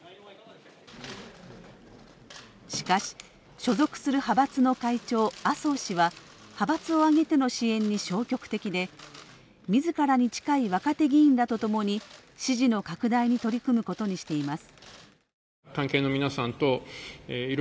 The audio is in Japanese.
しかし、所属する派閥の会長麻生氏は派閥を挙げての支援に消極的でみずからに近い若手議員らと共に支持の拡大に取り組むことにしています。